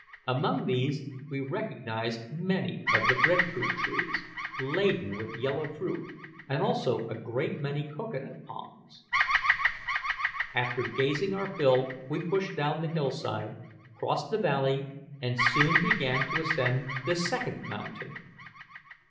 Among these we recognised many of the bread fruit trees, laden with yellow fruit, and also a great many cocoa nut palms. After gazing our fill we pushed down the hillside, crossed the valley, and soon began to ascend the second mountain.